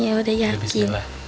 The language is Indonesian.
iya udah yakin